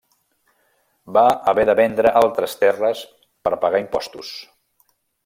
Va haver de vendre altres terres per pagar impostos.